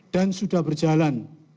dan sudah berjalan